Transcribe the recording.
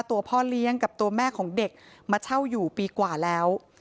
ตัวพ่อเลี้ยงกับตัวแม่ของเด็กมาเช่าอยู่ปีกว่าแล้ว